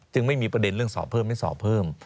ไม่มีประเด็นเรื่องสอบเพิ่มไม่สอบเพิ่ม